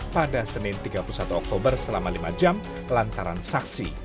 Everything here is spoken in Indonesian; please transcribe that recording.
pada senin tiga puluh satu oktober selama lima jam lantaran saksi